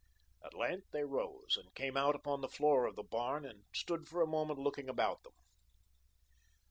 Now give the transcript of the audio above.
At length, they rose, and came out upon the floor of the barn and stood for a moment looking about them.